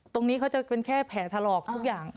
ตรงนี้เขาจะเป็นแค่แผลถลอกทุกอย่าง